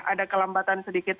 ada kelambatan sedikit